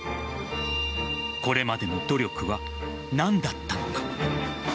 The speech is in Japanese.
これまでの努力は何だったのか。